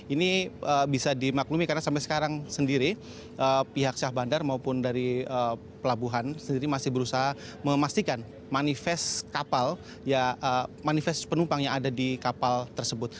ini bisa dimaklumi karena sampai sekarang sendiri pihak syah bandar maupun dari pelabuhan sendiri masih berusaha memastikan manifest kapal manifest penumpang yang ada di kapal tersebut